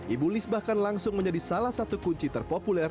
ibu liz bahkan langsung menjadi salah satu kunci terpopuler